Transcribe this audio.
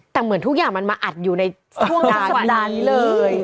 แต่เหมือนทุกอย่างมันมาอัดอยู่ในส่วนสักสัปดาห์นี้เลย